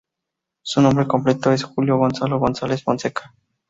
Su nombre completo es Julio Gonzalo González Fonseca.